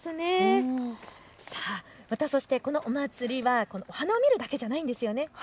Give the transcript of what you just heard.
そしてこのお祭りは花を見るだけではないんですよね。